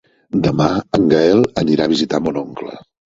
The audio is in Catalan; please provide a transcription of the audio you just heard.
Demà en Gaël anirà a visitar mon oncle.